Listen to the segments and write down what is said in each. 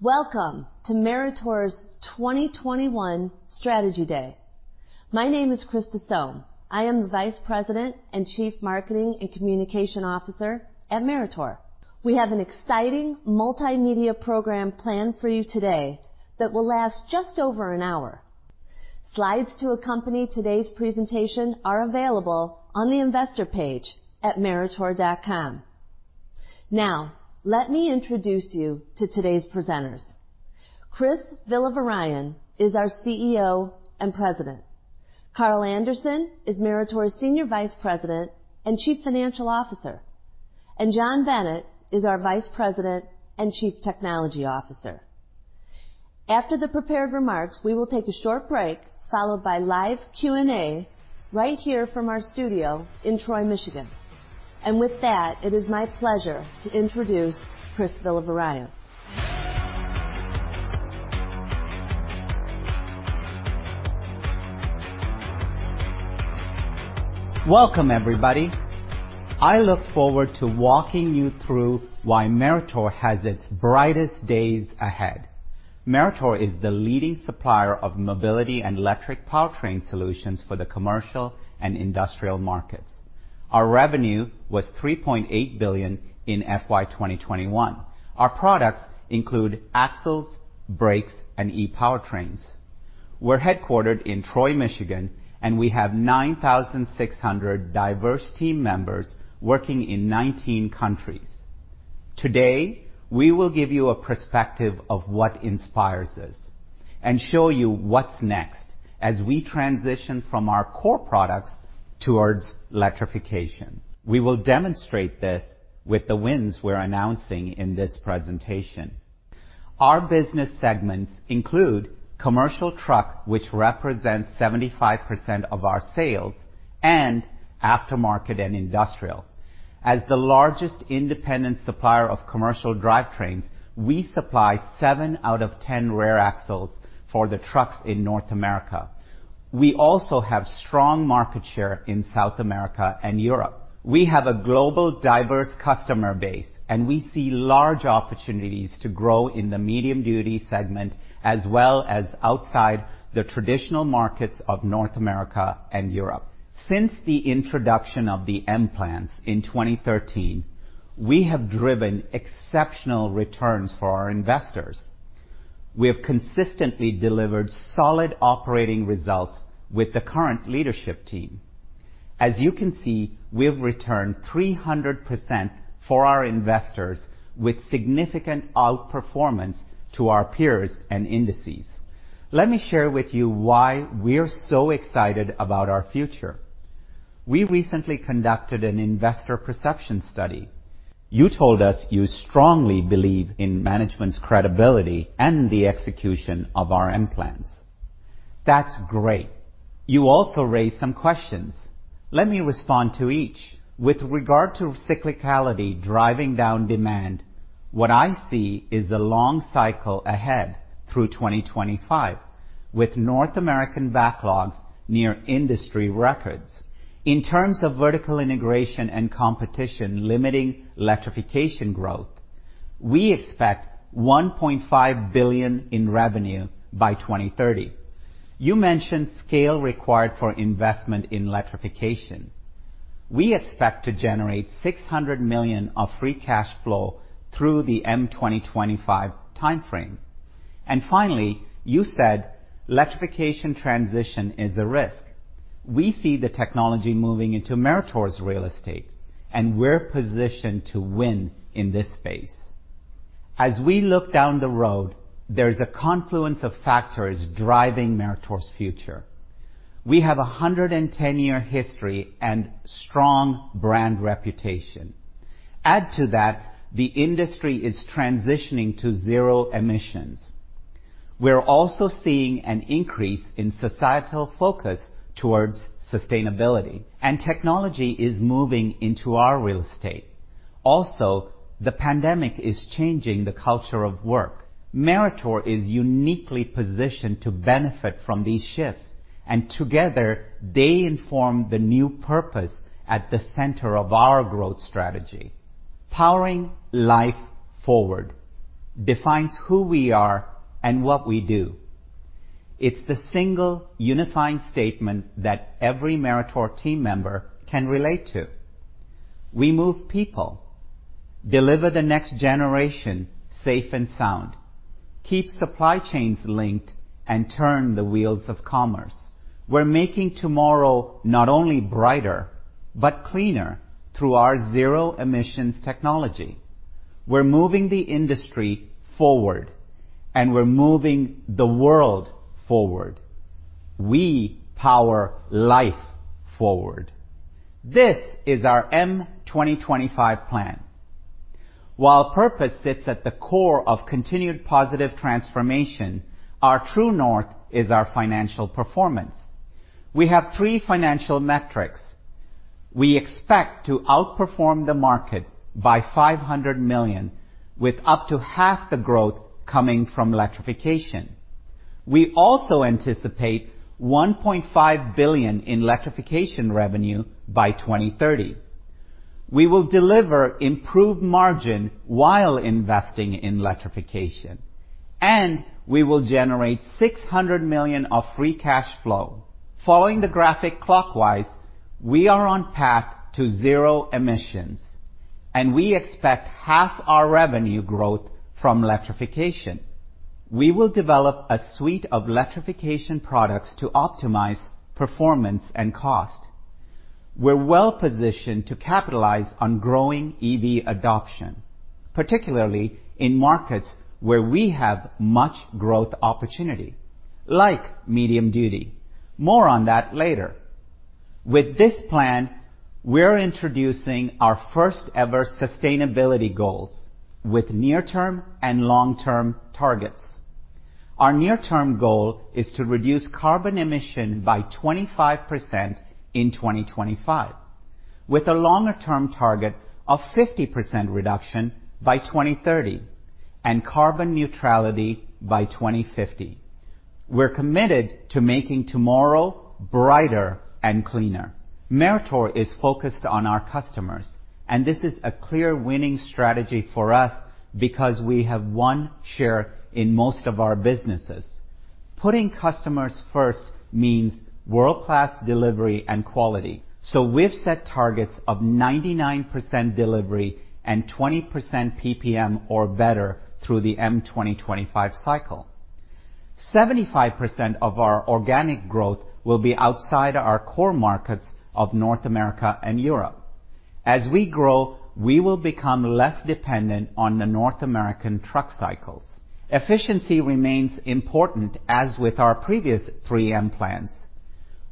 Welcome to Meritor's 2021 Strategy Day. My name is Krista Sohm. I am the Vice President and Chief Marketing and Communication Officer at Meritor. We have an exciting multimedia program planned for you today that will last just over an hour. Slides to accompany today's presentation are available on the investor page at meritor.com. Now, let me introduce you to today's presenters. Chris Villavarayan is our CEO and President. Carl Anderson is Meritor's Senior Vice President and Chief Financial Officer. John Bennett is our Vice President and Chief Technology Officer. After the prepared remarks, we will take a short break, followed by live Q&A right here from our studio in Troy, Michigan. With that, it is my pleasure to introduce Chris Villavarayan. Welcome, everybody. I look forward to walking you through why Meritor has its brightest days ahead. Meritor is the leading supplier of mobility and electric powertrain solutions for the commercial and industrial markets. Our revenue was $3.8 billion in FY 2021. Our products include axles, brakes, and ePowertrains. We're headquartered in Troy, Michigan, and we have 9,600 diverse team members working in 19 countries. Today, we will give you a perspective of what inspires us and show you what's next as we transition from our core products towards electrification. We will demonstrate this with the wins we're announcing in this presentation. Our business segments include Commercial Truck, which represents 75% of our sales, and Aftermarket and Industrial. As the largest independent supplier of commercial drivetrains, we supply seven out of 10 rear axles for the trucks in North America. We also have strong market share in South America and Europe. We have a global, diverse customer base, and we see large opportunities to grow in the medium duty segment as well as outside the traditional markets of North America and Europe. Since the introduction of the M plans in 2013, we have driven exceptional returns for our investors. We have consistently delivered solid operating results with the current leadership team. As you can see, we've returned 300% for our investors with significant outperformance to our peers and indices. Let me share with you why we're so excited about our future. We recently conducted an investor perception study. You told us you strongly believe in management's credibility and the execution of our M plans. That's great. You also raised some questions. Let me respond to each. With regard to cyclicality driving down demand, what I see is the long cycle ahead through 2025 with North American backlogs near industry records. In terms of vertical integration and competition limiting electrification growth, we expect $1.5 billion in revenue by 2030. You mentioned scale required for investment in electrification. We expect to generate $600 million of free cash flow through the M2025 timeframe. Finally, you said electrification transition is a risk. We see the technology moving into Meritor's real estate, and we're positioned to win in this space. As we look down the road, there is a confluence of factors driving Meritor's future. We have a 110-year history and strong brand reputation. Add to that, the industry is transitioning to zero emissions. We're also seeing an increase in societal focus toward sustainability, and technology is moving into our real estate. Also, the pandemic is changing the culture of work. Meritor is uniquely positioned to benefit from these shifts, and together they inform the new purpose at the center of our growth strategy. Powering life forward defines who we are and what we do. It's the single unifying statement that every Meritor team member can relate to. We move people, deliver the next generation safe and sound, keep supply chains linked, and turn the wheels of commerce. We're making tomorrow not only brighter but cleaner through our zero emissions technology. We're moving the industry forward, and we're moving the world forward. We power life forward. This is our M2025 plan. While purpose sits at the core of continued positive transformation, our true north is our financial performance. We have three financial metrics. We expect to outperform the market by $500 million, with up to half the growth coming from electrification. We also anticipate $1.5 billion in electrification revenue by 2030. We will deliver improved margin while investing in electrification, and we will generate $600 million of free cash flow. Following the graphic clockwise, we are on path to zero emissions, and we expect half our revenue growth from electrification. We will develop a suite of electrification products to optimize performance and cost. We're well-positioned to capitalize on growing EV adoption, particularly in markets where we have much growth opportunity, like medium-duty. More on that later. With this plan, we're introducing our first-ever sustainability goals with near-term and long-term targets. Our near-term goal is to reduce carbon emission by 25% in 2025, with a longer-term target of 50% reduction by 2030 and carbon neutrality by 2050. We're committed to making tomorrow brighter and cleaner. Meritor is focused on our customers, and this is a clear winning strategy for us because we have one share in most of our businesses. Putting customers first means world-class delivery and quality, so we've set targets of 99% delivery and 20% PPM or better through the M2025 cycle. 75% of our organic growth will be outside our core markets of North America and Europe. As we grow, we will become less dependent on the North American truck cycles. Efficiency remains important, as with our previous three M plans.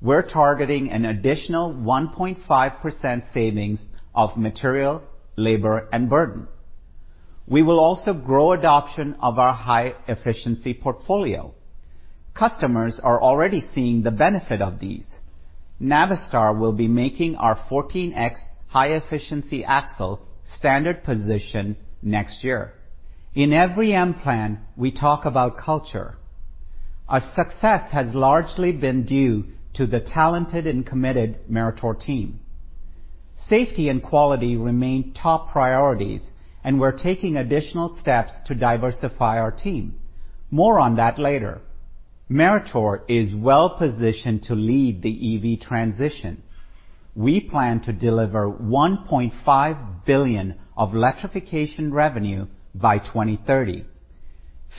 We're targeting an additional 1.5% savings of material, labor, and burden. We will also grow adoption of our high-efficiency portfolio. Customers are already seeing the benefit of these. Navistar will be making our 14X high efficiency axle standard position next year. In every M plan, we talk about culture. Our success has largely been due to the talented and committed Meritor team. Safety and quality remain top priorities, and we're taking additional steps to diversify our team. More on that later. Meritor is well-positioned to lead the EV transition. We plan to deliver $1.5 billion of electrification revenue by 2030.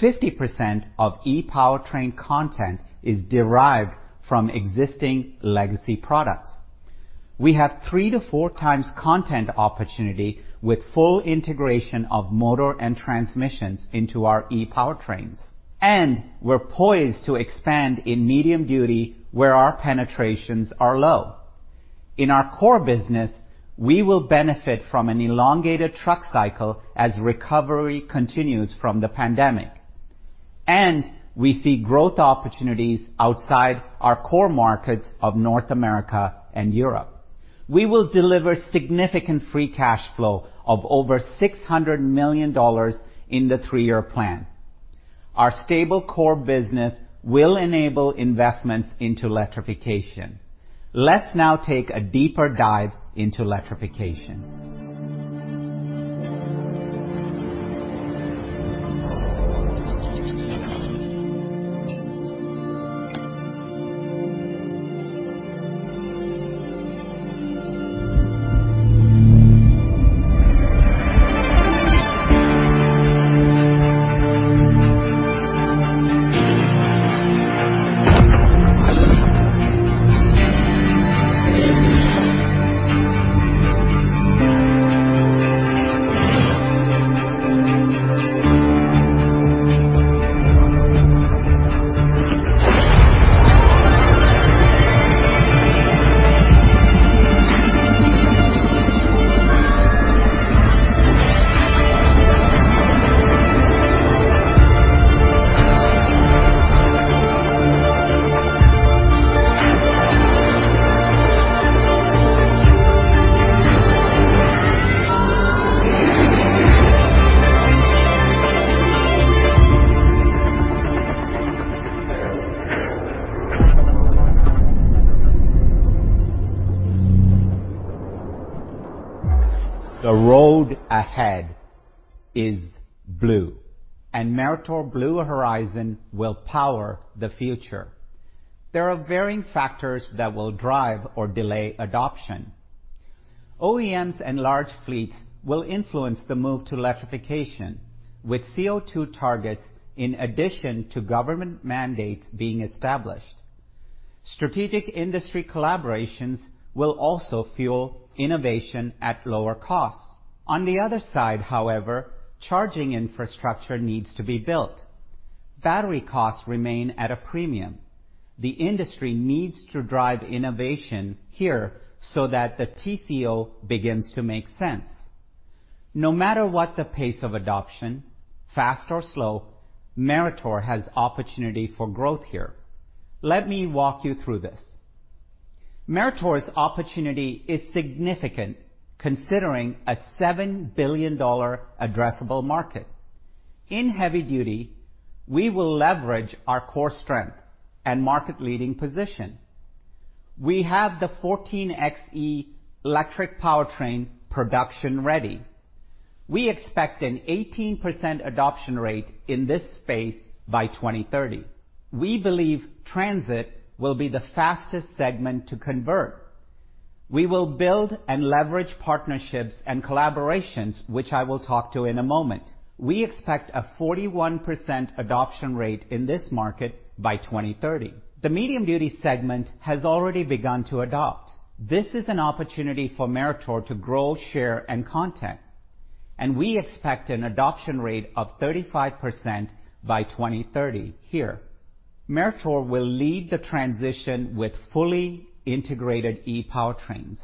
50% of e-powertrain content is derived from existing legacy products. We have 3x-4x content opportunity with full integration of motor and transmissions into our e-powertrains. We're poised to expand in medium duty where our penetrations are low. In our core business, we will benefit from an elongated truck cycle as recovery continues from the pandemic. We see growth opportunities outside our core markets of North America and Europe. We will deliver significant free cash flow of over $600 million in the three-year plan. Our stable core business will enable investments into electrification. Let's now take a deeper dive into electrification. The road ahead is blue, and Meritor Blue Horizon will power the future. There are varying factors that will drive or delay adoption. OEMs and large fleets will influence the move to electrification with CO2 targets in addition to government mandates being established. Strategic industry collaborations will also fuel innovation at lower costs. On the other side, however, charging infrastructure needs to be built. Battery costs remain at a premium. The industry needs to drive innovation here so that the TCO begins to make sense. No matter what the pace of adoption, fast or slow, Meritor has opportunity for growth here. Let me walk you through this. Meritor's opportunity is significant considering a $7 billion addressable market. In heavy duty, we will leverage our core strength and market leading position. We have the 14Xe electric powertrain production ready. We expect an 18% adoption rate in this space by 2030. We believe transit will be the fastest segment to convert. We will build and leverage partnerships and collaborations, which I will talk to in a moment. We expect a 41% adoption rate in this market by 2030. The medium duty segment has already begun to adopt. This is an opportunity for Meritor to grow, share, and contend, and we expect an adoption rate of 35% by 2030 here. Meritor will lead the transition with fully integrated ePowertrains.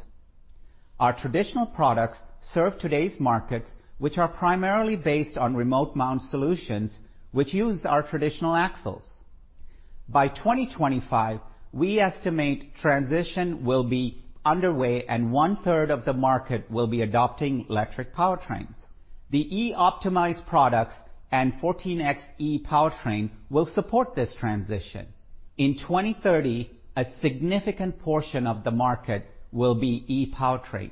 Our traditional products serve today's markets, which are primarily based on remote mount solutions, which use our traditional axles. By 2025, we estimate transition will be underway, and 1/3 of the market will be adopting electric powertrains. The eOptimized products and 14Xe ePowertrain will support this transition. In 2030, a significant portion of the market will be ePowertrain,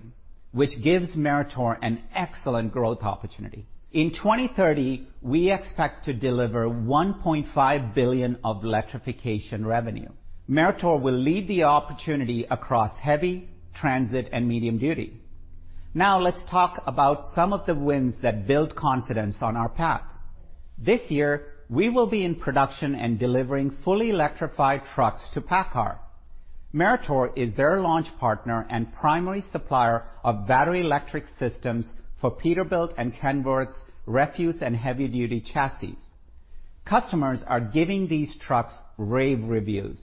which gives Meritor an excellent growth opportunity. In 2030, we expect to deliver $1.5 billion of electrification revenue. Meritor will lead the opportunity across heavy, transit, and medium duty. Now, let's talk about some of the wins that build confidence on our path. This year, we will be in production and delivering fully electrified trucks to PACCAR. Meritor is their launch partner and primary supplier of battery electric systems for Peterbilt and Kenworth's refuse and heavy duty chassis. Customers are giving these trucks rave reviews.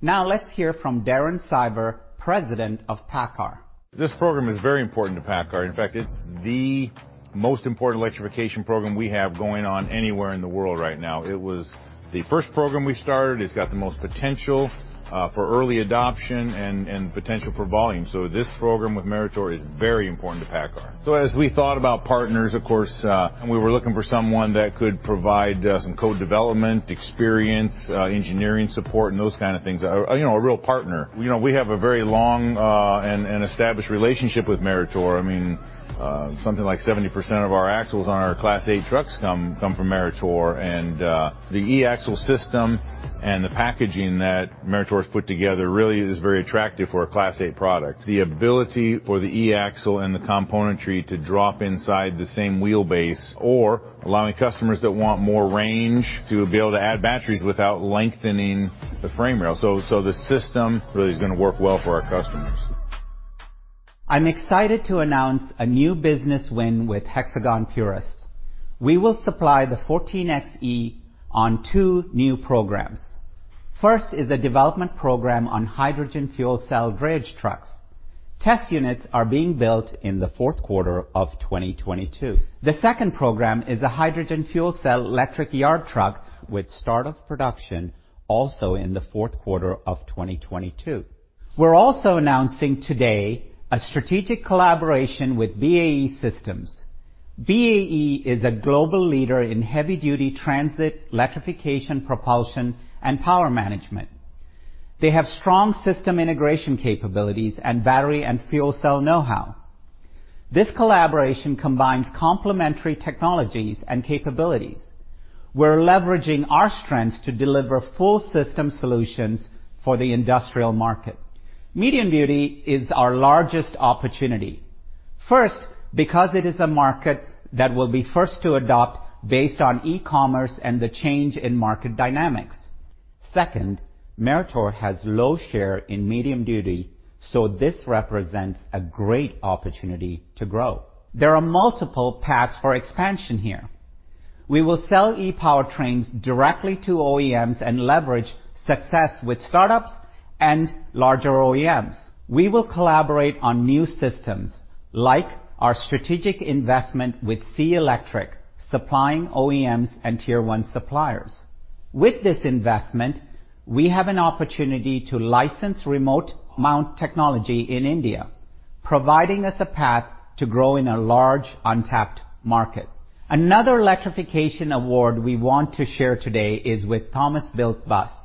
Now, let's hear from Darrin Siver, president of PACCAR. This program is very important to PACCAR. In fact, it's the most important electrification program we have going on anywhere in the world right now. It was the first program we started. It's got the most potential for early adoption and potential for volume. This program with Meritor is very important to PACCAR. As we thought about partners, of course, we were looking for someone that could provide some co-development experience, engineering support, and those kind of things. You know, a real partner. You know, we have a very long and established relationship with Meritor. I mean, something like 70% of our axles on our Class 8 trucks come from Meritor. The e-axle system and the packaging that Meritor's put together really is very attractive for a Class 8 product. The ability for the e-axle and the componentry to drop inside the same wheelbase or allowing customers that want more range to be able to add batteries without lengthening the frame rail. The system really is gonna work well for our customers. I'm excited to announce a new business win with Hexagon Purus. We will supply the 14Xe on two new programs. First is a development program on hydrogen fuel cell drayage trucks. Test units are being built in the fourth quarter of 2022. The second program is a hydrogen fuel cell electric yard truck with start of production also in the fourth quarter of 2022. We're also announcing today a strategic collaboration with BAE Systems. BAE is a global leader in heavy duty transit, electrification, propulsion, and power management. They have strong system integration capabilities and battery and fuel cell know-how. This collaboration combines complementary technologies and capabilities. We're leveraging our strengths to deliver full system solutions for the industrial market. Medium duty is our largest opportunity. First, because it is a market that will be first to adopt based on e-commerce and the change in market dynamics. Second, Meritor has low share in medium duty, so this represents a great opportunity to grow. There are multiple paths for expansion here. We will sell ePowertrains directly to OEMs and leverage success with startups and larger OEMs. We will collaborate on new systems like our strategic investment with SEA Electric, supplying OEMs and tier one suppliers. With this investment, we have an opportunity to license remote mount technology in India, providing us a path to grow in a large untapped market. Another electrification award we want to share today is with Thomas Built Buses.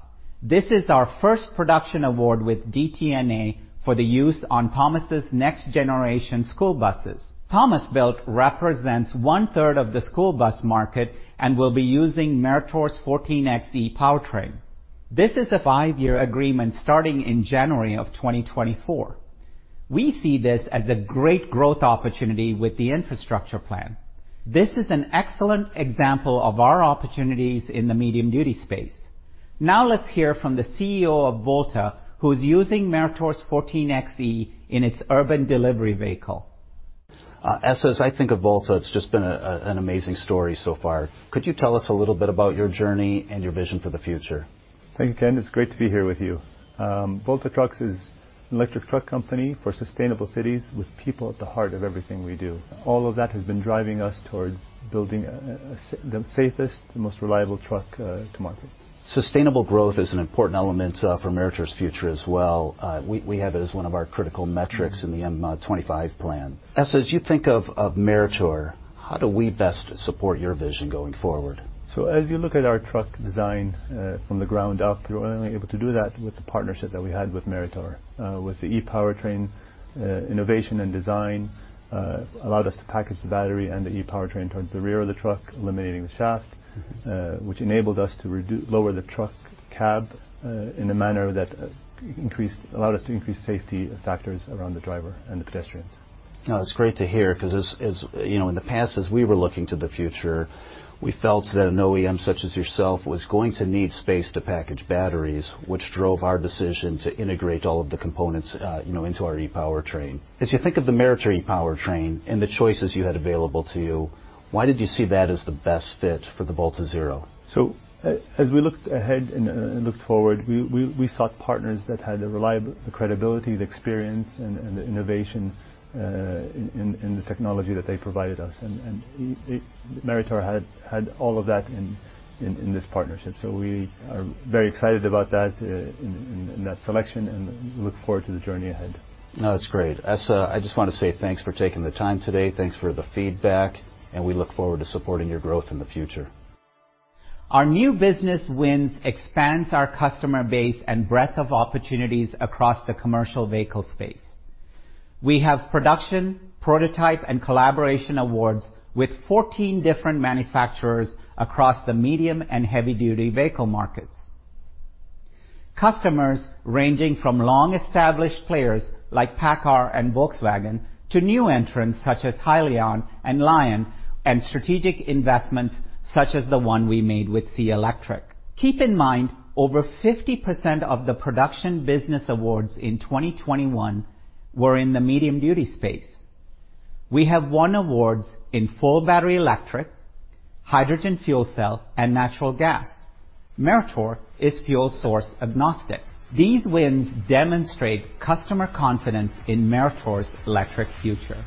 This is our first production award with DTNA for the use on Thomas Built Buses's next generation school buses. Thomas Built Buses represents 1/3 of the school bus market and will be using Meritor's 14Xe ePowertrain. This is a five-year agreement starting in January 2024. We see this as a great growth opportunity with the infrastructure plan. This is an excellent example of our opportunities in the medium duty space. Now let's hear from the CEO of Volta, who's using Meritor's 14Xe in its urban delivery vehicle. Essa, I think of Volta, it's just been an amazing story so far. Could you tell us a little bit about your journey and your vision for the future? Thank you, Ken. It's great to be here with you. Volta Trucks is an electric truck company for sustainable cities with people at the heart of everything we do. All of that has been driving us towards building the safest and most reliable truck to market. Sustainable growth is an important element for Meritor's future as well. We have it as one of our critical metrics in the M2025 plan. Essa, you think of Meritor. How do we best support your vision going forward? As you look at our truck design from the ground up, we were only able to do that with the partnership that we had with Meritor. With the ePowertrain innovation and design allowed us to package the battery and the ePowertrain towards the rear of the truck, eliminating the shaft, which enabled us to lower the truck cab in a manner that allowed us to increase safety factors around the driver and the pedestrians. No, it's great to hear because as you know, in the past, as we were looking to the future, we felt that an OEM such as yourself was going to need space to package batteries, which drove our decision to integrate all of the components, you know, into our ePowertrain. As you think of the Meritor ePowertrain and the choices you had available to you, why did you see that as the best fit for the Volta Zero? As we looked ahead and looked forward, we sought partners that had the reliable credibility, the experience and the innovation in the technology that they provided us. Meritor had all of that in this partnership. We are very excited about that, in that selection and look forward to the journey ahead. No, that's great. Essa, I just want to say thanks for taking the time today. Thanks for the feedback, and we look forward to supporting your growth in the future. Our new business wins expands our customer base and breadth of opportunities across the commercial vehicle space. We have production, prototype, and collaboration awards with 14 different manufacturers across the medium- and heavy-duty vehicle markets. Customers ranging from long-established players like PACCAR and Volkswagen to new entrants such as Hyliion and Lion, and strategic investments such as the one we made with SEA Electric. Keep in mind, over 50% of the production business awards in 2021 were in the medium-duty space. We have won awards in full battery-electric, hydrogen fuel-cell, and natural gas. Meritor is fuel source agnostic. These wins demonstrate customer confidence in Meritor's electric future.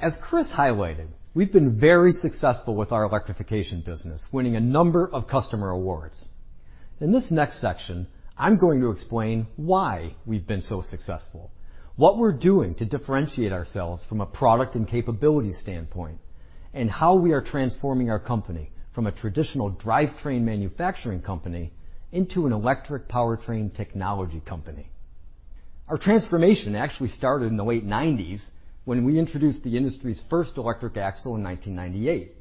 As Chris highlighted, we've been very successful with our electrification business, winning a number of customer awards. In this next section, I'm going to explain why we've been so successful, what we're doing to differentiate ourselves from a product and capability standpoint, and how we are transforming our company from a traditional drivetrain manufacturing company into an electric powertrain technology company. Our transformation actually started in the late 1990s when we introduced the industry's first electric axle in 1998.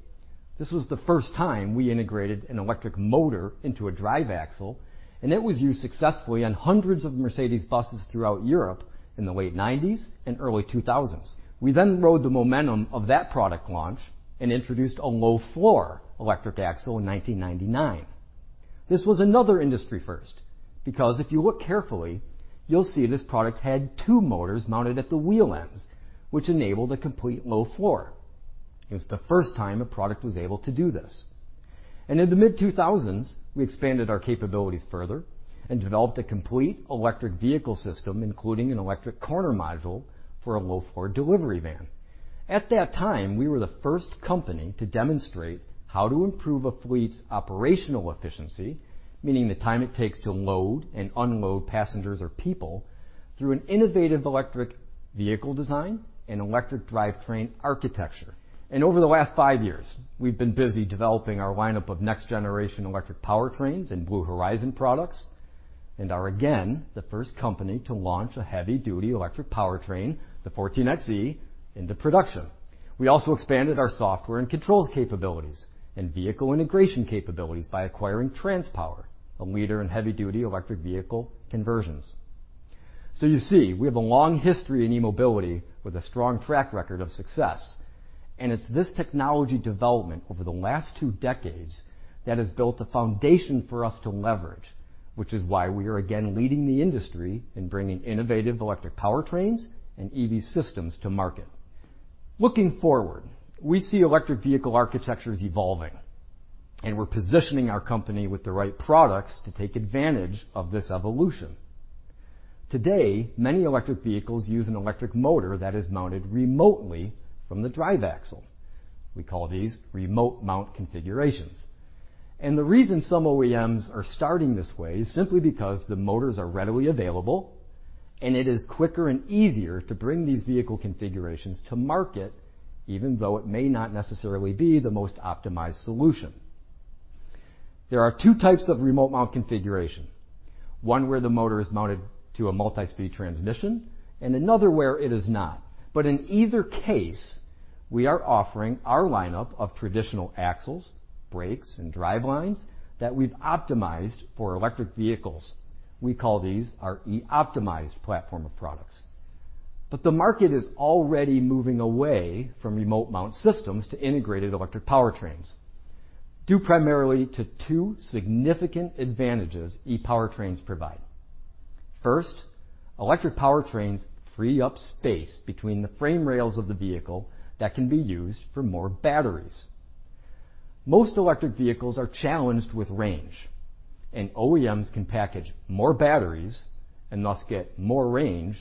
This was the first time we integrated an electric motor into a drive axle, and it was used successfully on hundreds of Mercedes buses throughout Europe in the late 1990s and early 2000s. We then rode the momentum of that product launch and introduced a low-floor electric axle in 1999. This was another industry first, because if you look carefully, you'll see this product had two motors mounted at the wheel ends, which enabled a complete low floor. It's the first time a product was able to do this. In the mid-2000s, we expanded our capabilities further and developed a complete electric vehicle system, including an electric corner module for a low-floor delivery van. At that time, we were the first company to demonstrate how to improve a fleet's operational efficiency, meaning the time it takes to load and unload passengers or people through an innovative electric vehicle design and electric drivetrain architecture. Over the last five years, we've been busy developing our lineup of next-generation electric powertrains and Blue Horizon products, and are again, the first company to launch a heavy-duty electric powertrain, the 14Xe, into production. We also expanded our software and controls capabilities and vehicle integration capabilities by acquiring Transpower, a leader in heavy-duty electric vehicle conversions. You see, we have a long history in e-mobility with a strong track record of success, and it's this technology development over the last two decades that has built a foundation for us to leverage, which is why we are again leading the industry in bringing innovative electric powertrains and EV systems to market. Looking forward, we see electric vehicle architectures evolving, and we're positioning our company with the right products to take advantage of this evolution. Today, many electric vehicles use an electric motor that is mounted remotely from the drive axle. We call these remote mount configurations. The reason some OEMs are starting this way is simply because the motors are readily available, and it is quicker and easier to bring these vehicle configurations to market, even though it may not necessarily be the most optimized solution. There are two types of remote mount configuration. One where the motor is mounted to a multi-speed transmission and another where it is not. In either case, we are offering our lineup of traditional axles, brakes, and drivelines that we've optimized for electric vehicles. We call these our eOptimized platform of products. The market is already moving away from remote mount systems to integrated electric powertrains, due primarily to two significant advantages ePowertrains provide. First, electric powertrains free up space between the frame rails of the vehicle that can be used for more batteries. Most electric vehicles are challenged with range, and OEMs can package more batteries and thus get more range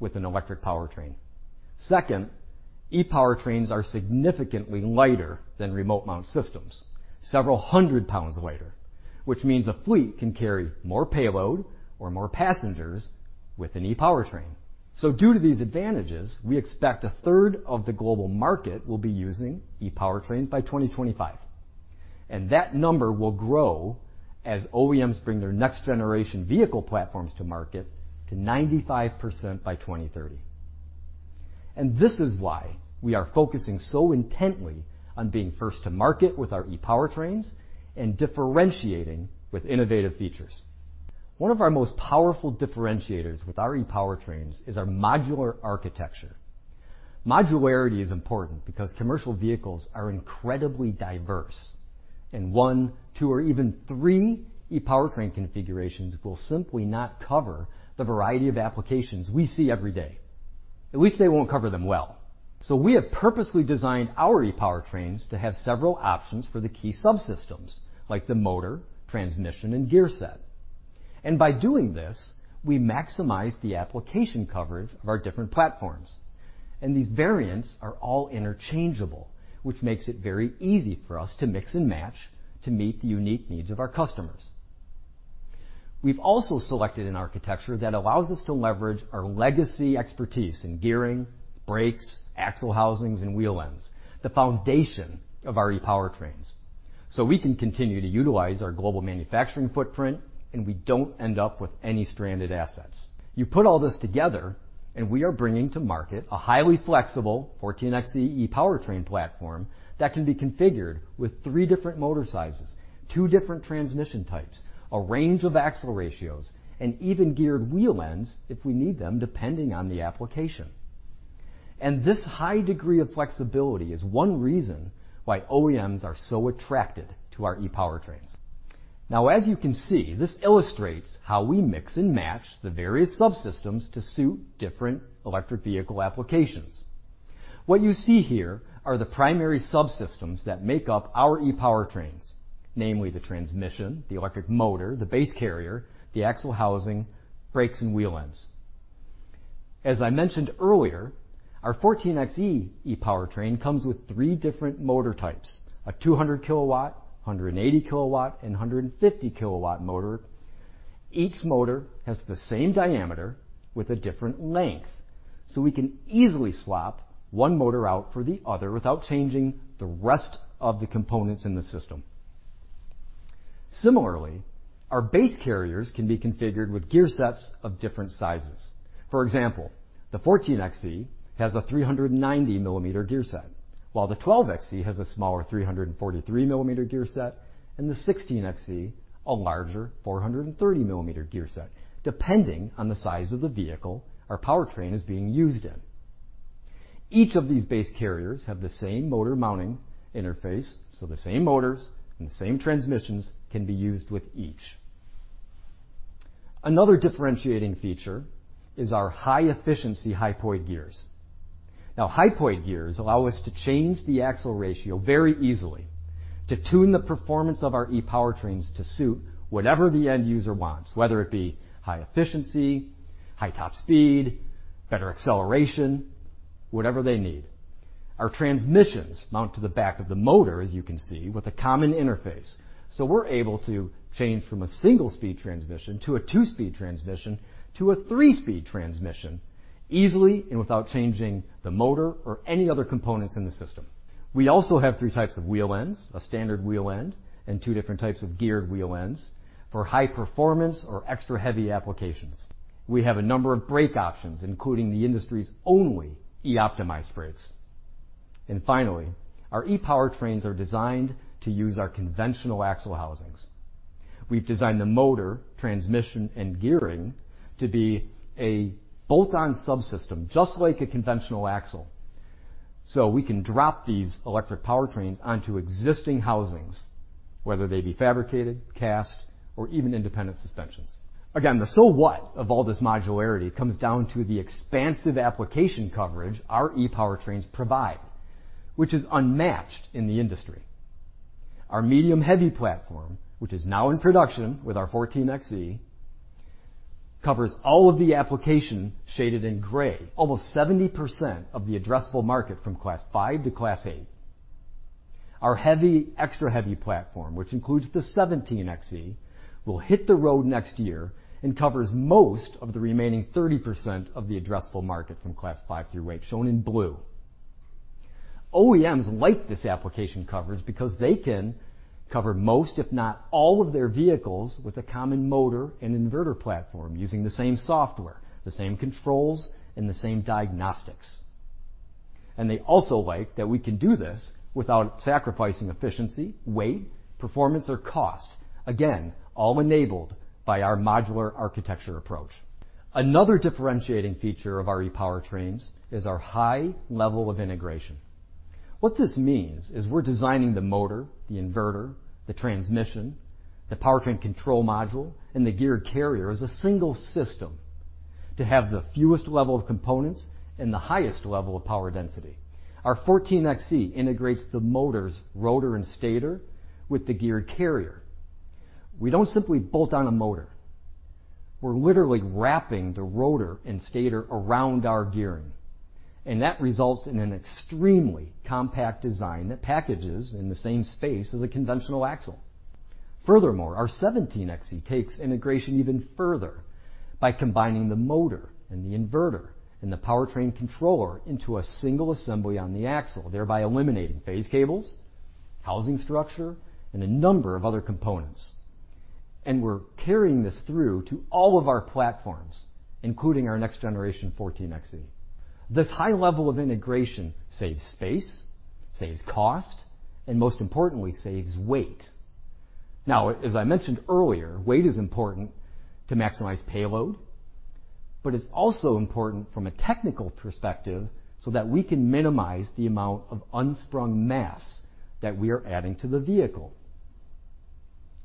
with an electric powertrain. Second, ePowertrains are significantly lighter than remote mount systems, several hundred pounds lighter, which means a fleet can carry more payload or more passengers with an ePowertrain. Due to these advantages, we expect 1/3 of the global market will be using ePowertrains by 2025, and that number will grow as OEMs bring their next generation vehicle platforms to market to 95% by 2030. This is why we are focusing so intently on being first to market with our ePowertrains and differentiating with innovative features. One of our most powerful differentiators with our ePowertrains is our modular architecture. Modularity is important because commercial vehicles are incredibly diverse, and one, two, or even three ePowertrain configurations will simply not cover the variety of applications we see every day. At least they won't cover them well. We have purposely designed our ePowertrains to have several options for the key subsystems, like the motor, transmission, and gear set. By doing this, we maximize the application coverage of our different platforms. These variants are all interchangeable, which makes it very easy for us to mix and match to meet the unique needs of our customers. We've also selected an architecture that allows us to leverage our legacy expertise in gearing, brakes, axle housings, and wheel ends, the foundation of our ePowertrains. We can continue to utilize our global manufacturing footprint, and we don't end up with any stranded assets. You put all this together, and we are bringing to market a highly flexible 14Xe ePowertrain platform that can be configured with three different motor sizes, two different transmission types, a range of axle ratios, and even geared wheel ends if we need them, depending on the application. This high degree of flexibility is one reason why OEMs are so attracted to our ePowertrains. Now, as you can see, this illustrates how we mix and match the various subsystems to suit different electric vehicle applications. What you see here are the primary subsystems that make up our ePowertrains, namely the transmission, the electric motor, the base carrier, the axle housing, brakes, and wheel ends. As I mentioned earlier, our 14Xe ePowertrain comes with three different motor types, a 200 kW, a 180 kW, and a 150 kW motor. Each motor has the same diameter with a different length, so we can easily swap one motor out for the other without changing the rest of the components in the system. Similarly, our base carriers can be configured with gear sets of different sizes. For example, the 14Xe has a 390 mm gear set, while the 12Xe has a smaller 343 mm gear set, and the 17Xe, a larger 430 mm gear set, depending on the size of the vehicle our powertrain is being used in. Each of these base carriers have the same motor mounting interface, so the same motors and the same transmissions can be used with each. Another differentiating feature is our high-efficiency hypoid gears. Hypoid gears allow us to change the axle ratio very easily to tune the performance of our e-powertrains to suit whatever the end user wants, whether it be high efficiency, high top speed, better acceleration, whatever they need. Our transmissions mount to the back of the motor, as you can see, with a common interface. We're able to change from a single-speed transmission to a two-speed transmission to a three-speed transmission easily and without changing the motor or any other components in the system. We also have three types of wheel ends, a standard wheel end, and two different types of geared wheel ends for high performance or extra heavy applications. We have a number of brake options, including the industry's only e-optimized brakes. Finally, our e-powertrains are designed to use our conventional axle housings. We've designed the motor, transmission, and gearing to be a bolt-on subsystem, just like a conventional axle. We can drop these electric powertrains onto existing housings, whether they be fabricated, cast, or even independent suspensions. Again, the so what of all this modularity comes down to the expansive application coverage our e-powertrains provide, which is unmatched in the industry. Our medium-heavy platform, which is now in production with our 14Xe, covers all of the application shaded in gray, almost 70% of the addressable market from Class 5 to Class 8. Our heavy, extra heavy platform, which includes the 17Xe, will hit the road next year and covers most of the remaining 30% of the addressable market from Class 5 through 8, shown in blue. OEMs like this application coverage because they can cover most, if not all of their vehicles with a common motor and inverter platform using the same software, the same controls, and the same diagnostics. They also like that we can do this without sacrificing efficiency, weight, performance, or cost. Again, all enabled by our modular architecture approach. Another differentiating feature of our ePowertrains is our high level of integration. What this means is we're designing the motor, the inverter, the transmission, the powertrain control module, and the geared carrier as a single system to have the fewest level of components and the highest level of power density. Our 14Xe integrates the motor's rotor and stator with the geared carrier. We don't simply bolt on a motor. We're literally wrapping the rotor and stator around our gearing, and that results in an extremely compact design that packages in the same space as a conventional axle. Furthermore, our 17Xe takes integration even further by combining the motor and the inverter and the powertrain controller into a single assembly on the axle, thereby eliminating phase cables, housing structure, and a number of other components. We're carrying this through to all of our platforms, including our next generation 14Xe. This high level of integration saves space, saves cost, and most importantly, saves weight. Now, as I mentioned earlier, weight is important to maximize payload, but it's also important from a technical perspective, so that we can minimize the amount of unsprung mass that we are adding to the vehicle.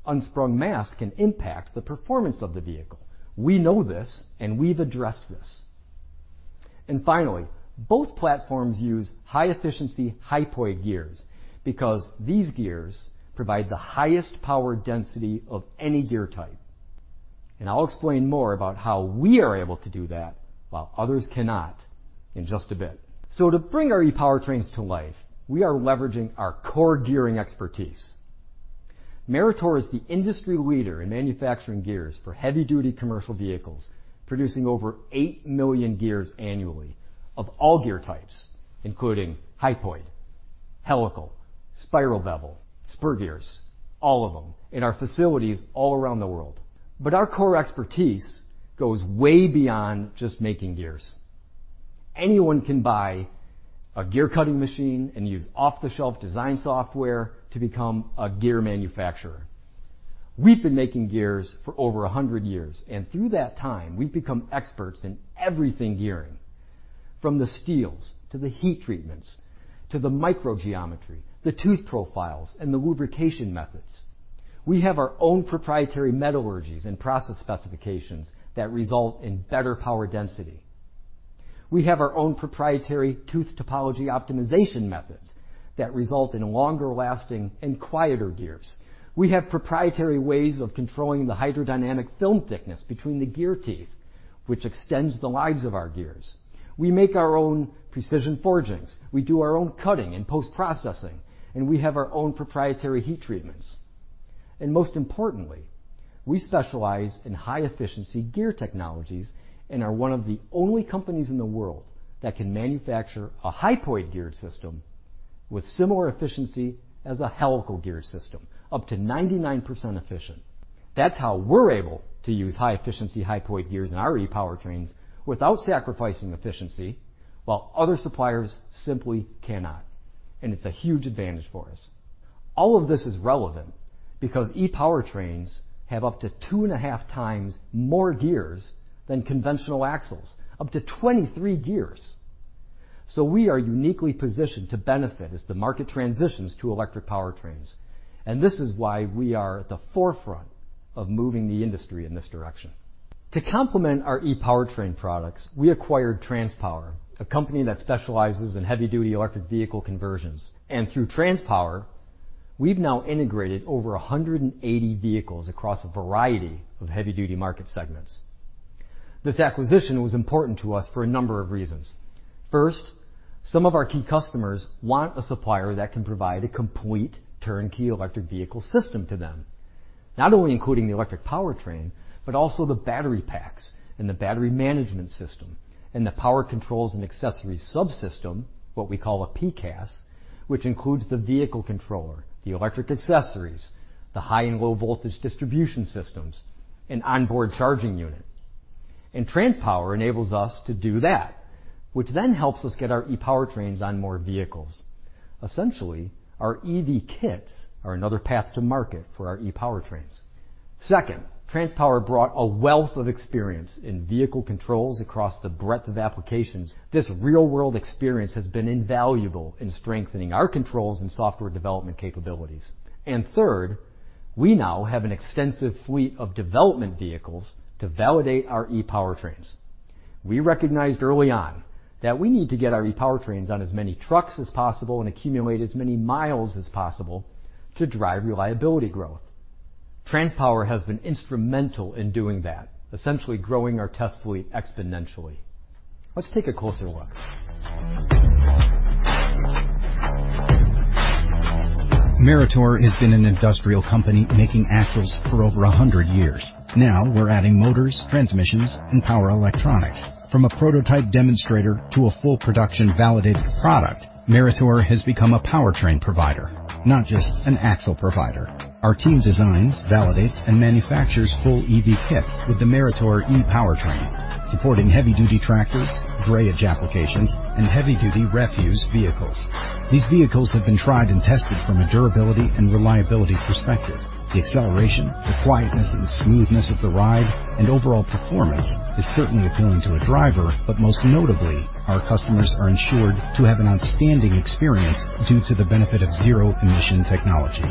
Unsprung mass can impact the performance of the vehicle. We know this, and we've addressed this. Finally, both platforms use high-efficiency hypoid gears because these gears provide the highest power density of any gear type. I'll explain more about how we are able to do that while others cannot in just a bit. To bring our e-powertrains to life, we are leveraging our core gearing expertise. Meritor is the industry leader in manufacturing gears for heavy-duty commercial vehicles, producing over 8 million gears annually of all gear types, including hypoid, helical, spiral bevel, spur gears, all of them in our facilities all around the world. Our core expertise goes way beyond just making gears. Anyone can buy a gear-cutting machine and use off-the-shelf design software to become a gear manufacturer. We've been making gears for over 100 years, and through that time, we've become experts in everything gearing, from the steels to the heat treatments to the microgeometry, the tooth profiles, and the lubrication methods. We have our own proprietary metallurgies and process specifications that result in better power density. We have our own proprietary tooth topology optimization methods that result in longer-lasting and quieter gears. We have proprietary ways of controlling the hydrodynamic film thickness between the gear teeth, which extends the lives of our gears. We make our own precision forgings. We do our own cutting and post-processing, and we have our own proprietary heat treatments. Most importantly, we specialize in high-efficiency gear technologies and are one of the only companies in the world that can manufacture a hypoid geared system with similar efficiency as a helical geared system, up to 99% efficient. That's how we're able to use high-efficiency hypoid gears in our ePowertrains without sacrificing efficiency, while other suppliers simply cannot, and it's a huge advantage for us. All of this is relevant because ePowertrains have up to 2.5x more gears than conventional axles, up to 23 gears. We are uniquely positioned to benefit as the market transitions to electric powertrains, and this is why we are at the forefront of moving the industry in this direction. To complement our ePowertrain products, we acquired Transpower, a company that specializes in heavy-duty electric vehicle conversions. Through Transpower, we've now integrated over 180 vehicles across a variety of heavy-duty market segments. This acquisition was important to us for a number of reasons. First, some of our key customers want a supplier that can provide a complete turnkey electric vehicle system to them, not only including the electric powertrain, but also the battery packs and the battery management system and the power controls and accessories subsystem, what we call a PCAS, which includes the vehicle controller, the electric accessories, the high and low voltage distribution systems, and onboard charging unit. TransPower enables us to do that, which then helps us get our ePowertrains on more vehicles. Essentially, our EV kits are another path to market for our ePowertrains. Second, Transpower brought a wealth of experience in vehicle controls across the breadth of applications. This real-world experience has been invaluable in strengthening our controls and software development capabilities. Third, we now have an extensive fleet of development vehicles to validate our ePowertrains. We recognized early on that we need to get our ePowertrains on as many trucks as possible and accumulate as many miles as possible to drive reliability growth. TransPower has been instrumental in doing that, essentially growing our test fleet exponentially. Let's take a closer look. Meritor has been an industrial company making axles for over 100 years. Now we're adding motors, transmissions, and power electronics. From a prototype demonstrator to a full production validated product, Meritor has become a powertrain provider, not just an axle provider. Our team designs, validates, and manufactures full EV kits with the Meritor ePowertrain, supporting heavy-duty tractors, drayage applications, and heavy-duty refuse vehicles. These vehicles have been tried and tested from a durability and reliability perspective. The acceleration, the quietness and smoothness of the ride, and overall performance is certainly appealing to a driver, but most notably, our customers are ensured to have an outstanding experience due to the benefit of zero-emission technology.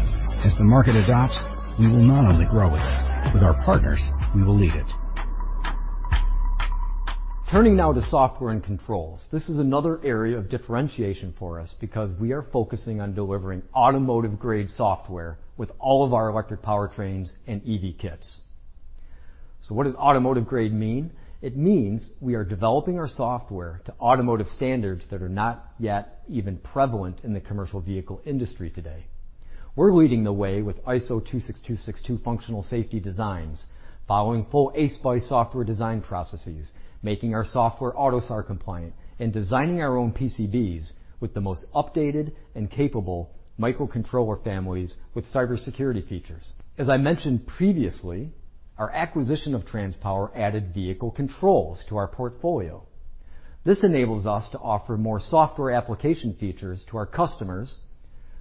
As the market adopts, we will not only grow with it, with our partners, we will lead it. Turning now to software and controls. This is another area of differentiation for us because we are focusing on delivering automotive grade software with all of our electric powertrains and EV kits. So what does automotive grade mean? It means we are developing our software to automotive standards that are not yet even prevalent in the commercial vehicle industry today. We're leading the way with ISO 26262 functional safety designs, following full ASPICE software design processes, making our software AUTOSAR compliant and designing our own PCBs with the most updated and capable microcontroller families with cybersecurity features. As I mentioned previously, our acquisition of Transpower added vehicle controls to our portfolio. This enables us to offer more software application features to our customers,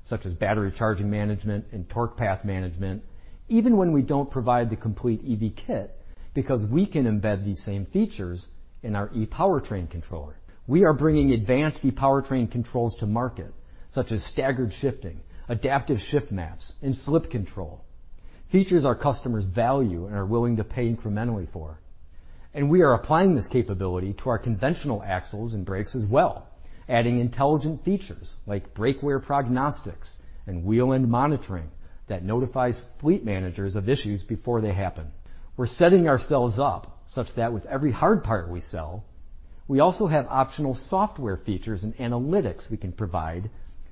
such as battery charging management, and torque path management, even when we don't provide the complete EV kit, because we can embed these same features in our ePowertrain controller. We are bringing advanced ePowertrain controls to market, such as staggered shifting, adaptive shift maps, and slip control, features our customers value and are willing to pay incrementally for. We are applying this capability to our conventional axles and brakes as well, adding intelligent features like brake wear prognostics and wheel-end monitoring that notifies fleet managers of issues before they happen. We're setting ourselves up such that with every hard part we sell, we also have optional software features and analytics we can provide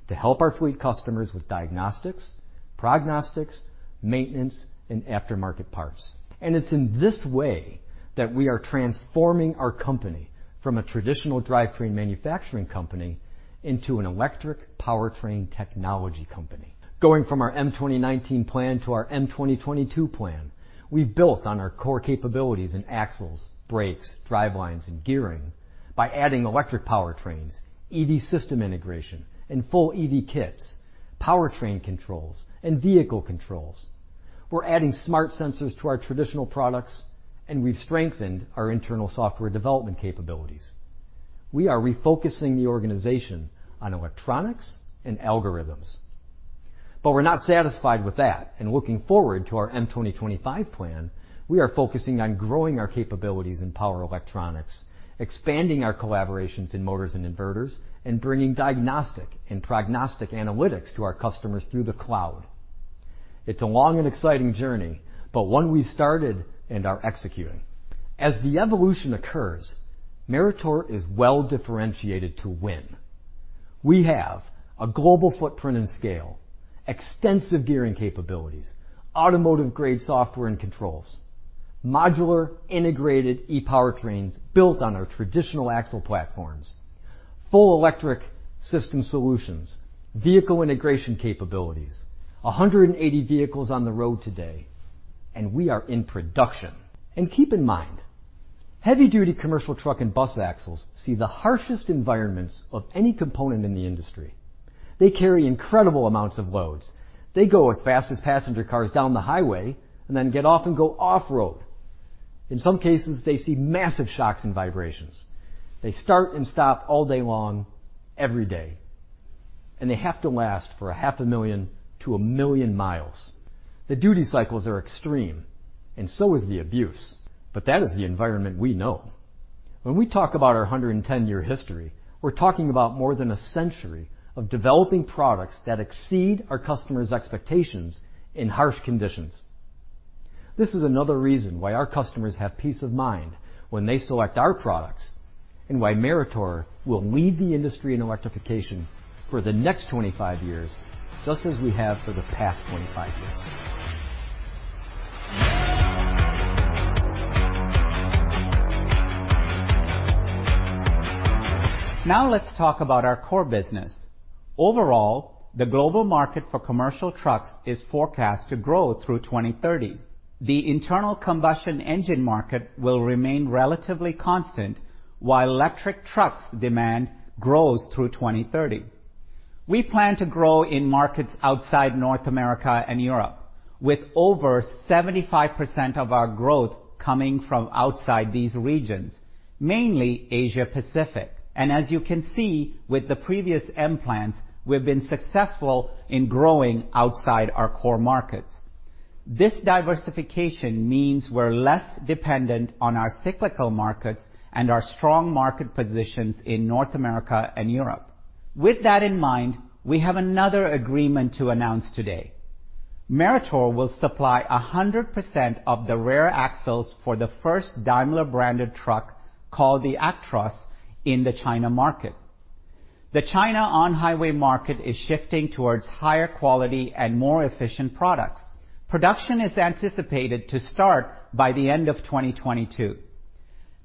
to help our fleet customers with diagnostics, prognostics, maintenance, and aftermarket parts. It's in this way that we are transforming our company from a traditional drivetrain manufacturing company into an electric powertrain technology company. Going from our M2019 plan to our M2022 plan, we've built on our core capabilities in axles, brakes, drivelines, and gearing by adding electric powertrains, EV system integration, and full EV kits, powertrain controls, and vehicle controls. We're adding smart sensors to our traditional products, and we've strengthened our internal software development capabilities. We are refocusing the organization on electronics and algorithms. We're not satisfied with that. Looking forward to our M2025 plan, we are focusing on growing our capabilities in power electronics, expanding our collaborations in motors and inverters, and bringing diagnostic and prognostic analytics to our customers through the cloud. It's a long and exciting journey, but one we started and are executing. As the evolution occurs, Meritor is well differentiated to win. We have a global footprint and scale, extensive gearing capabilities, automotive-grade software and controls, modular integrated ePowertrains built on our traditional axle platforms, full electric system solutions, vehicle integration capabilities, 180 vehicles on the road today, and we are in production. Keep in mind, heavy-duty commercial truck and bus axles see the harshest environments of any component in the industry. They carry incredible amounts of loads. They go as fast as passenger cars down the highway and then get off and go off-road. In some cases, they see massive shocks and vibrations. They start and stop all day long, every day, and they have to last for 500,000 to 1 million miles. The duty cycles are extreme and so is the abuse. That is the environment we know. When we talk about our 110-year history, we're talking about more than a century of developing products that exceed our customers' expectations in harsh conditions. This is another reason why our customers have peace of mind when they select our products, and why Meritor will lead the industry in electrification for the next 25 years, just as we have for the past 25 years. Now let's talk about our core business. Overall, the global market for commercial trucks is forecast to grow through 2030. The internal combustion engine market will remain relatively constant while electric trucks demand grows through 2030. We plan to grow in markets outside North America and Europe, with over 75% of our growth coming from outside these regions, mainly Asia Pacific. As you can see with the previous M plans, we've been successful in growing outside our core markets. This diversification means we're less dependent on our cyclical markets and our strong market positions in North America and Europe. With that in mind, we have another agreement to announce today. Meritor will supply 100% of the rear axles for the first Daimler-branded truck, called the Actros, in the China market. The China on-highway market is shifting towards higher quality and more efficient products. Production is anticipated to start by the end of 2022.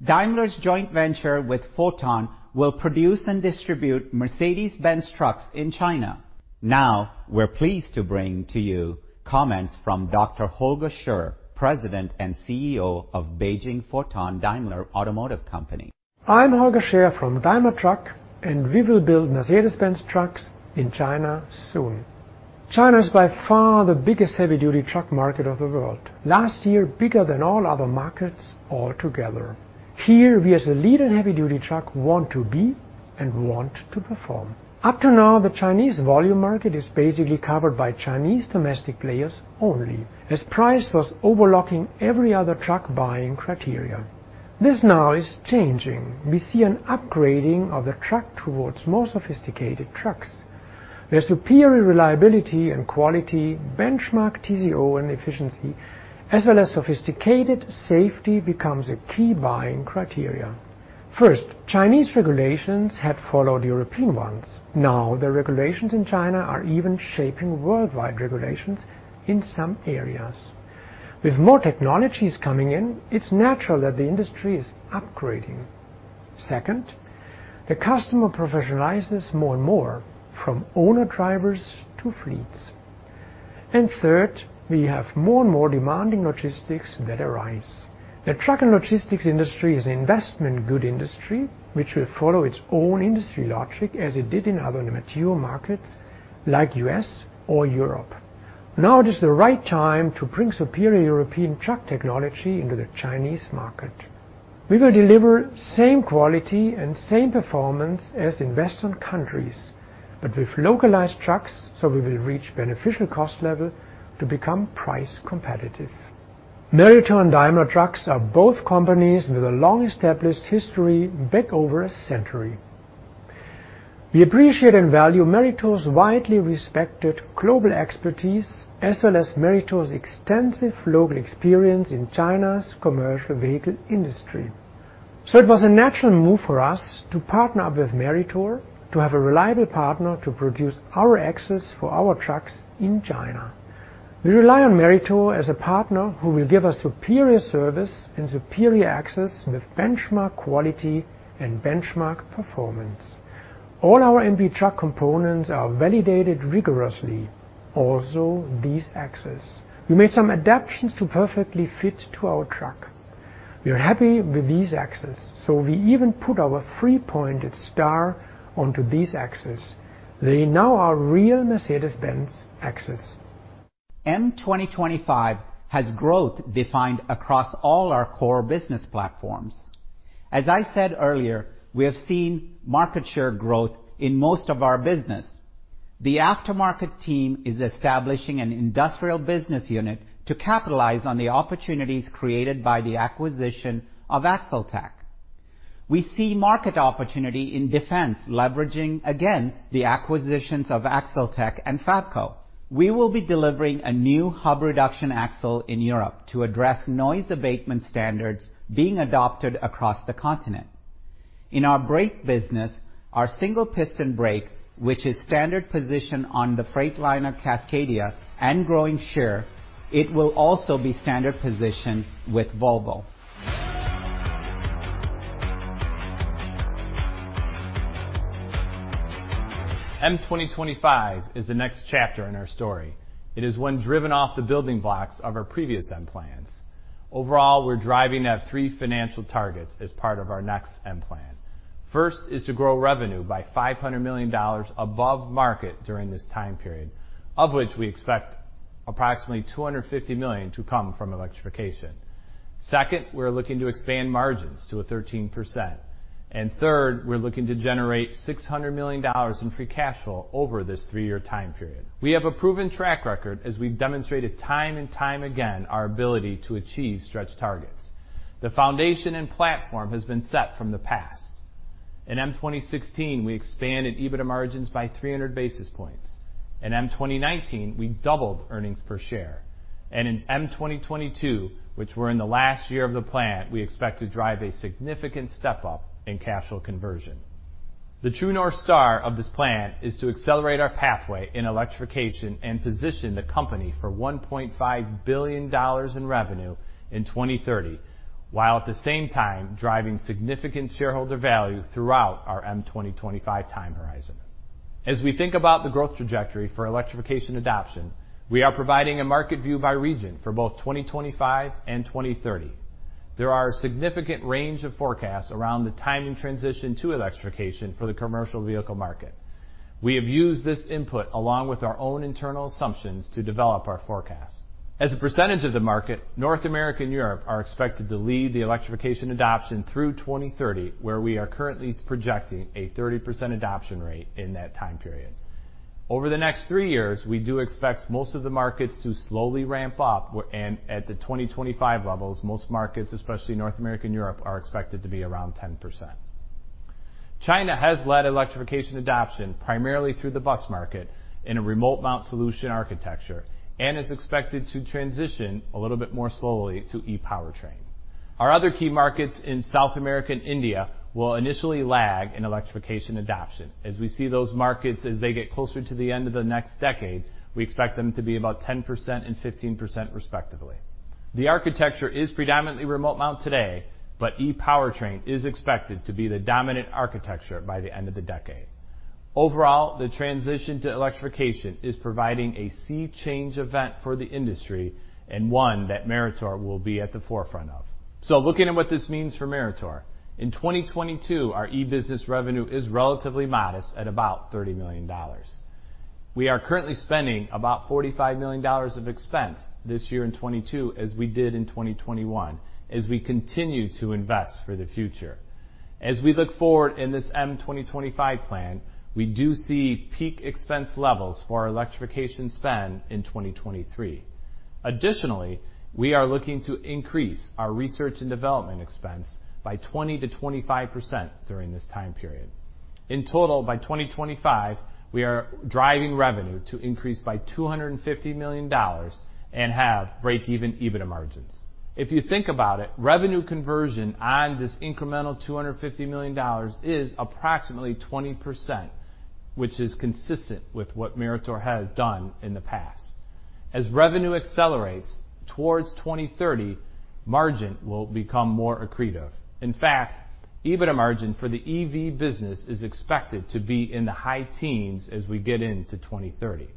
Daimler's joint venture with Foton will produce and distribute Mercedes-Benz trucks in China. Now, we're pleased to bring to you comments from Dr. Holger Scherr, President and CEO of Beijing Foton Daimler Automotive Co. Ltd. I'm Holger Scherr from Daimler Truck, and we will build Mercedes-Benz trucks in China soon. China is by far the biggest heavy-duty truck market of the world last year, bigger than all other markets altogether. Here we as a leader in heavy-duty truck want to be and want to perform. Up to now, the Chinese volume market is basically covered by Chinese domestic players only, as price was overriding every other truck buying criteria. This now is changing. We see an upgrading of the truck towards more sophisticated trucks. There's superior reliability and quality, benchmark TCO and efficiency, as well as sophisticated safety becomes a key buying criteria. First, Chinese regulations have followed European ones. Now, the regulations in China are even shaping worldwide regulations in some areas. With more technologies coming in, it's natural that the industry is upgrading. Second, the customer professionalizes more and more from owner-drivers to fleets. Third, we have more and more demanding logistics that arise. The truck and logistics industry is investment good industry, which will follow its own industry logic as it did in other material markets like U.S. or Europe. Now is the right time to bring superior European truck technology into the Chinese market. We will deliver same quality and same performance as Western countries, but with localized trucks, so we will reach beneficial cost level to become price competitive. Meritor and Daimler Truck are both companies with a long established history back over a century. We appreciate and value Meritor's widely respected global expertise, as well as Meritor's extensive local experience in China's commercial vehicle industry. It was a natural move for us to partner up with Meritor to have a reliable partner to produce our axles for our trucks in China. We rely on Meritor as a partner who will give us superior service and superior axles with benchmark quality and benchmark performance. All our Mercedes-Benz truck components are validated rigorously, also these axles. We made some adaptations to perfectly fit to our truck. We are happy with these axles, so we even put our three-pointed star onto these axles. They now are real Mercedes-Benz axles. M2025 has growth defined across all our core business platforms. As I said earlier, we have seen market share growth in most of our business. The aftermarket team is establishing an industrial business unit to capitalize on the opportunities created by the acquisition of AxleTech. We see market opportunity in defense, leveraging again the acquisitions of AxleTech and Fabco. We will be delivering a new hub reduction axle in Europe to address noise abatement standards being adopted across the continent. In our brake business, our single-piston brake, which is standard position on the Freightliner Cascadia and growing share, it will also be standard position with Volvo. M2025 is the next chapter in our story. It is one driven off the building blocks of our previous M plans. Overall, we're driving at three financial targets as part of our next M plan. First is to grow revenue by $500 million above market during this time period, of which we expect approximately $250 million to come from electrification. Second, we're looking to expand margins to 13%. Third, we're looking to generate $600 million in free cash flow over this three-year time period. We have a proven track record as we've demonstrated time and time again our ability to achieve stretch targets. The foundation and platform has been set from the past. In M2016, we expanded EBITDA margins by 300 basis points. In M2019, we doubled earnings per share. In M2022, which we're in the last year of the plan, we expect to drive a significant step-up in cash flow conversion. The true north star of this plan is to accelerate our pathway in electrification and position the company for $1.5 billion in revenue in 2030, while at the same time, driving significant shareholder value throughout our M2025 time horizon. As we think about the growth trajectory for electrification adoption, we are providing a market view by region for both 2025 and 2030. There is a significant range of forecasts around the timing transition to electrification for the commercial vehicle market. We have used this input, along with our own internal assumptions, to develop our forecast. As a percentage of the market, North America and Europe are expected to lead the electrification adoption through 2030, where we are currently projecting a 30% adoption rate in that time period. Over the next three years, we do expect most of the markets to slowly ramp up, and at the 2025 levels, most markets, especially North America and Europe, are expected to be around 10%. China has led electrification adoption primarily through the bus market in a remote mount solution architecture and is expected to transition a little bit more slowly to ePowertrain. Our other key markets in South America and India will initially lag in electrification adoption. As we see those markets, as they get closer to the end of the next decade, we expect them to be about 10% and 15% respectively. The architecture is predominantly remote mount today, but ePowertrain is expected to be the dominant architecture by the end of the decade. Overall, the transition to electrification is providing a sea change event for the industry and one that Meritor will be at the forefront of. Looking at what this means for Meritor, in 2022, our e-business revenue is relatively modest at about $30 million. We are currently spending about $45 million of expense this year in 2022 as we did in 2021, as we continue to invest for the future. As we look forward in this M2025 plan, we do see peak expense levels for our electrification spend in 2023. Additionally, we are looking to increase our research and development expense by 20%-25% during this time period. In total, by 2025, we are driving revenue to increase by $250 million and have breakeven EBITDA margins. If you think about it, revenue conversion on this incremental $250 million is approximately 20%, which is consistent with what Meritor has done in the past. As revenue accelerates towards 2030, margin will become more accretive. In fact, EBITDA margin for the EV business is expected to be in the high teens as we get into 2030.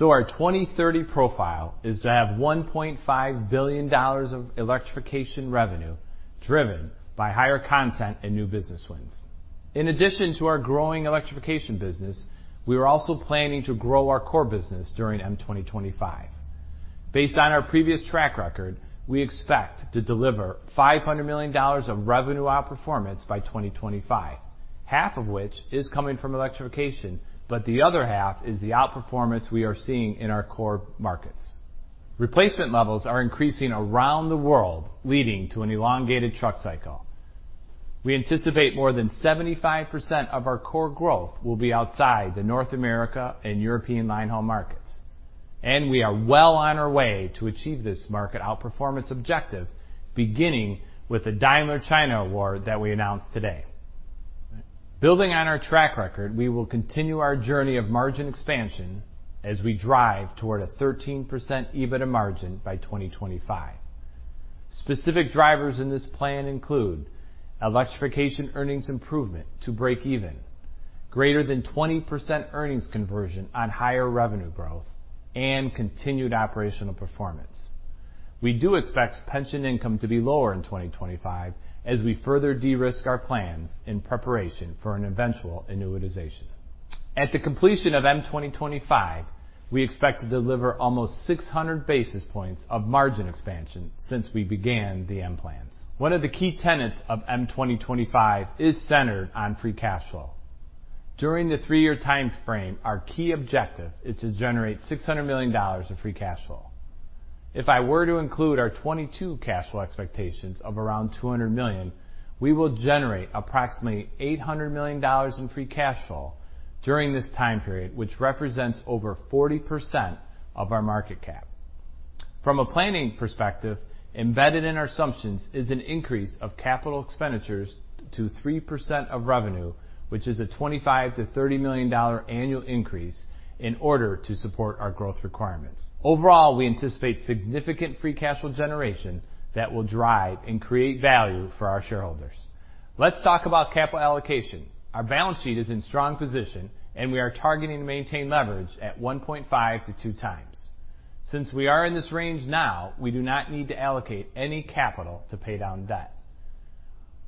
Our 2030 profile is to have $1.5 billion of electrification revenue driven by higher content and new business wins. In addition to our growing electrification business, we are also planning to grow our core business during M 2025. Based on our previous track record, we expect to deliver $500 million of revenue outperformance by 2025, half of which is coming from electrification, but the other half is the outperformance we are seeing in our core markets. Replacement levels are increasing around the world, leading to an elongated truck cycle. We anticipate more than 75% of our core growth will be outside the North America and European linehaul markets, and we are well on our way to achieve this market outperformance objective, beginning with the Daimler China award that we announced today. Building on our track record, we will continue our journey of margin expansion as we drive toward a 13% EBITDA margin by 2025. Specific drivers in this plan include electrification earnings improvement to break even, greater than 20% earnings conversion on higher revenue growth, and continued operational performance. We do expect pension income to be lower in 2025 as we further de-risk our plans in preparation for an eventual annuitization. At the completion of M 2025, we expect to deliver almost 600 basis points of margin expansion since we began the M plans. One of the key tenets of M 2025 is centered on free cash flow. During the three-year timeframe, our key objective is to generate $600 million of free cash flow. If I were to include our 2022 cash flow expectations of around $200 million, we will generate approximately $800 million in free cash flow during this time period, which represents over 40% of our market cap. From a planning perspective, embedded in our assumptions is an increase of capital expenditures to 3% of revenue, which is a $25 million-$30 million annual increase in order to support our growth requirements. Overall, we anticipate significant free cash flow generation that will drive and create value for our shareholders. Let's talk about capital allocation. Our balance sheet is in strong position, and we are targeting to maintain leverage at 1.5x-2x. Since we are in this range now, we do not need to allocate any capital to pay down debt.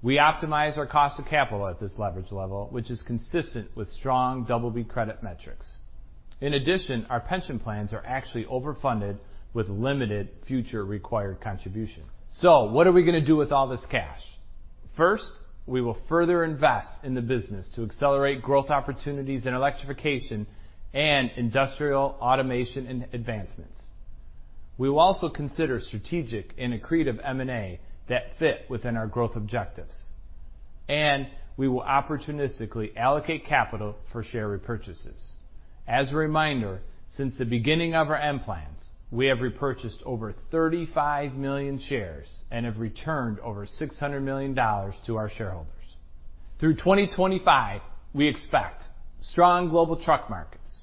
We optimize our cost of capital at this leverage level, which is consistent with strong BB credit metrics. In addition, our pension plans are actually overfunded with limited future required contribution. What are we gonna do with all this cash? First, we will further invest in the business to accelerate growth opportunities in electrification and industrial automation and advancements. We will also consider strategic and accretive M&A that fit within our growth objectives, and we will opportunistically allocate capital for share repurchases. As a reminder, since the beginning of our M plans, we have repurchased over 35 million shares and have returned over $600 million to our shareholders. Through 2025, we expect strong global truck markets,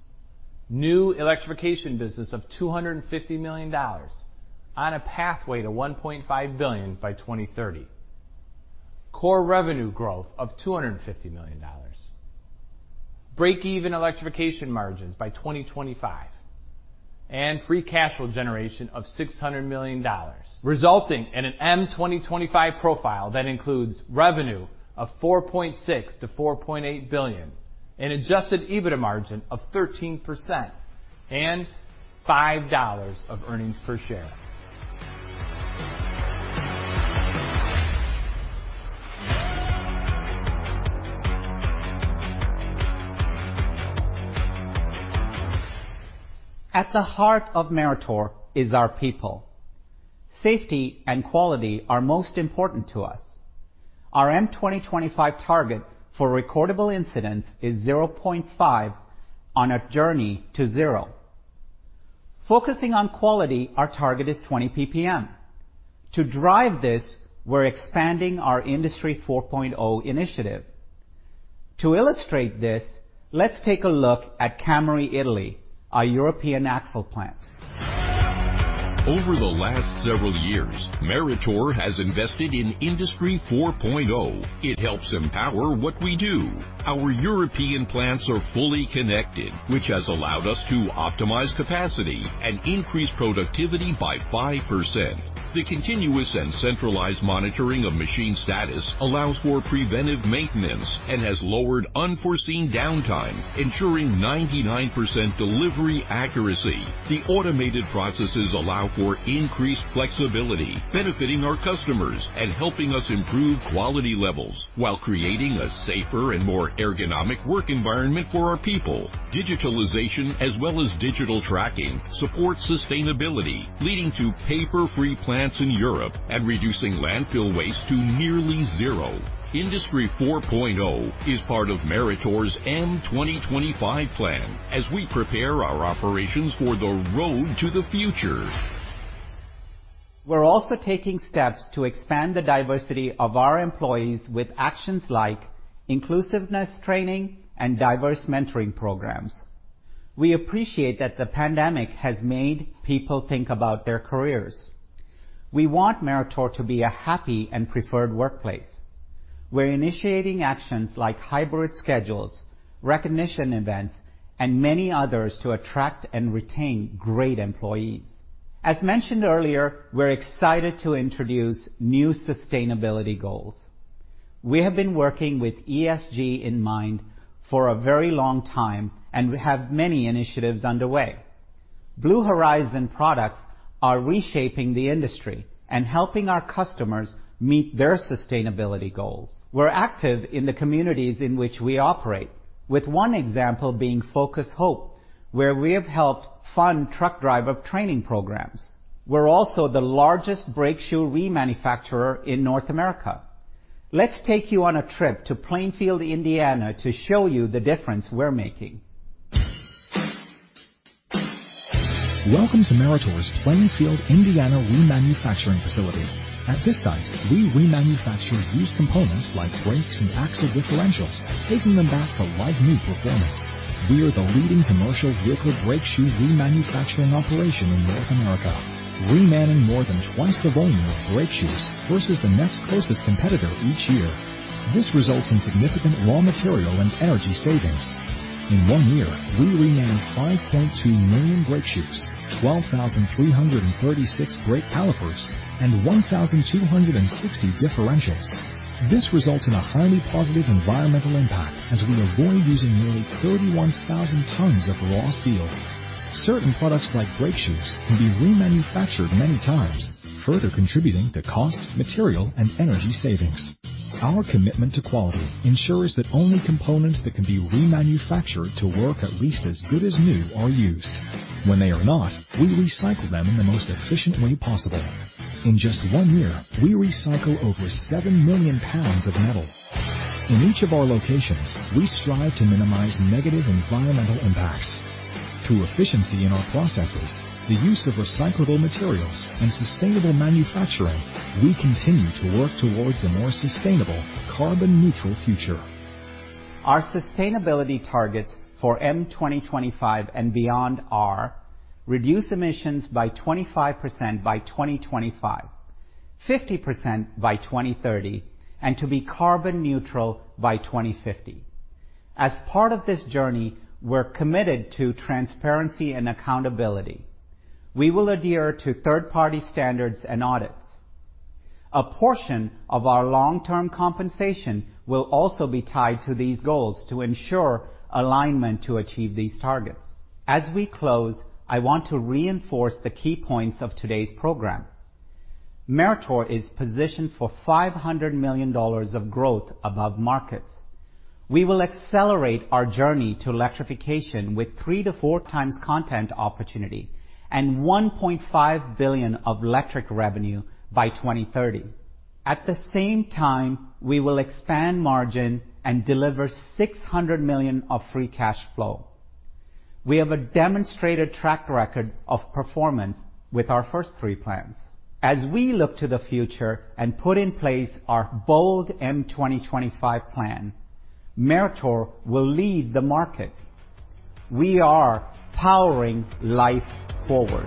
new electrification business of $250 million on a pathway to $1.5 billion by 2030, core revenue growth of $250 million, break-even electrification margins by 2025, and free cash flow generation of $600 million, resulting in an M2025 profile that includes revenue of $4.6 billion-$4.8 billion, an adjusted EBITDA margin of 13%, and $5 of earnings per share. At the heart of Meritor is our people. Safety and quality are most important to us. Our M2025 target for recordable incidents is 0.5 on a journey to zero. Focusing on quality, our target is 20 PPM. To drive this, we're expanding our Industry 4.0 initiative. To illustrate this, let's take a look at Cameri, Italy, our European axle plant. Over the last several years, Meritor has invested in Industry 4.0. It helps empower what we do. Our European plants are fully connected, which has allowed us to optimize capacity and increase productivity by 5%. The continuous and centralized monitoring of machine status allows for preventive maintenance and has lowered unforeseen downtime, ensuring 99% delivery accuracy. The automated processes allow for increased flexibility, benefiting our customers and helping us improve quality levels while creating a safer and more ergonomic work environment for our people. Digitalization as well as digital tracking support sustainability, leading to paper-free plants in Europe and reducing landfill waste to nearly zero. Industry 4.0 is part of Meritor's M2025 plan as we prepare our operations for the road to the future. We're also taking steps to expand the diversity of our employees with actions like inclusiveness training and diverse mentoring programs. We appreciate that the pandemic has made people think about their careers. We want Meritor to be a happy and preferred workplace. We're initiating actions like hybrid schedules, recognition events, and many others to attract and retain great employees. As mentioned earlier, we're excited to introduce new sustainability goals. We have been working with ESG in mind for a very long time, and we have many initiatives underway. Blue Horizon products are reshaping the industry and helping our customers meet their sustainability goals. We're active in the communities in which we operate, with one example being Focus: HOPE, where we have helped fund truck driver training programs. We're also the largest brake shoe remanufacturer in North America. Let's take you on a trip to Plainfield, Indiana, to show you the difference we're making. Welcome to Meritor's Plainfield, Indiana, remanufacturing facility. At this site, we remanufacture used components like brakes and axle differentials, taking them back to like-new performance. We are the leading commercial vehicle brake shoe remanufacturing operation in North America, remanning more than twice the volume of brake shoes versus the next closest competitor each year. This results in significant raw material and energy savings. In one year, we remanned 5.2 million brake shoes, 12,336 brake calipers, and 1,260 differentials. This results in a highly positive environmental impact as we avoid using nearly 31,000 tons of raw steel. Certain products, like brake shoes, can be remanufactured many times, further contributing to cost, material, and energy savings. Our commitment to quality ensures that only components that can be remanufactured to work at least as good as new are used. When they are not, we recycle them in the most efficient way possible. In just one year, we recycle over 7 million pounds of metal. In each of our locations, we strive to minimize negative environmental impacts. Through efficiency in our processes, the use of recyclable materials, and sustainable manufacturing, we continue to work towards a more sustainable carbon neutral future. Our sustainability targets for M2025 and beyond are reduce emissions by 25% by 2025, 50% by 2030, and to be carbon neutral by 2050. As part of this journey, we're committed to transparency and accountability. We will adhere to third-party standards and audits. A portion of our long-term compensation will also be tied to these goals to ensure alignment to achieve these targets. As we close, I want to reinforce the key points of today's program. Meritor is positioned for $500 million of growth above markets. We will accelerate our journey to electrification with 3x-4x content opportunity and $1.5 billion of electric revenue by 2030. At the same time, we will expand margin and deliver $600 million of free cash flow. We have a demonstrated track record of performance with our first three plans. As we look to the future and put in place our bold M 2025 plan, Meritor will lead the market. We are powering life forward.